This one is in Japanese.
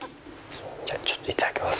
じゃあちょっといただきます。